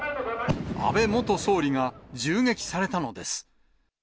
安倍元総理が銃撃されたのです。